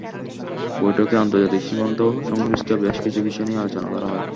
বৈঠকে আন্তর্জাতিক সীমান্ত সংশ্লিষ্ট বেশ কিছু বিষয় নিয়ে আলোচনা করা হয়।